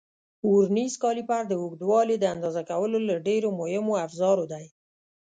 ورنیز کالیپر د اوږدوالي د اندازه کولو له ډېرو مهمو افزارو دی.